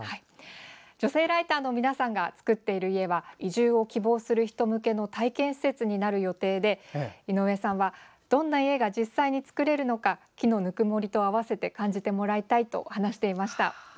女性ライターの皆さんが造っている家は移住を希望する人向けの体験施設になる予定で井上さんはどんな家が実際に造れるのか木のぬくもりと併せて感じてもらいたいと話していました。